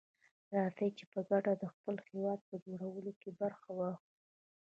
راځي چي په ګډه دخپل هيواد په جوړولو کي برخه واخلو.